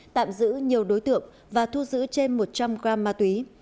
tạm giữ nhiều đối tượng và thu giữ trên một trăm linh gram ma túy